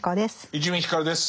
伊集院光です。